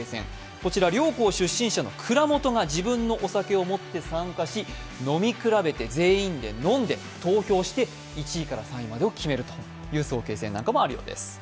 こちら両校出身者の蔵元が自分のお酒を持って参加し、飲み比べて全員で飲んで投票して１位から３位までを決める早慶戦もあるそうです。